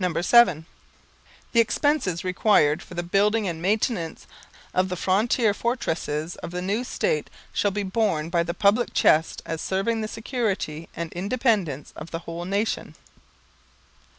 _ (7) _The expenses required for the building and maintenance of the frontier fortresses of the new State shall be borne by the public chest as serving the security and independence of the whole nation.